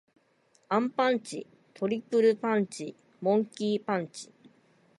アンパンチ。トリプルパンチ。モンキー・パンチ。